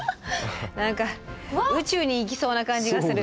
何か宇宙に行きそうな感じがする。